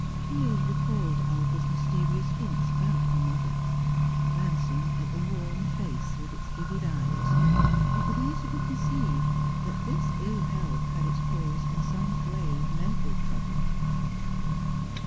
Piers recalled Olga's mysterious hints about her mother. Glancing at the worn face, with its vivid eyes, he could easily conceive that this ill health had its cause in some grave mental trouble.